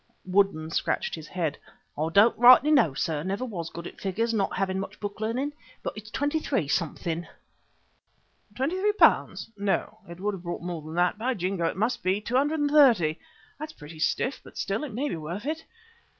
Woodden scratched his head. "I don't rightly know, sir, never was good at figures, not having much book learning, but it's twenty three something." "£23? No, it would have brought more than that. By Jingo! it must be £230. That's pretty stiff, but still, it may be worth it."